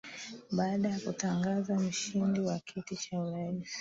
baada ya kutangazwa mshindi wa kiti cha urais